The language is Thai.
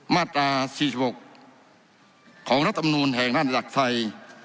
มาตรา๔๖ของรัฐมนูลแห่งด้านหลักไทย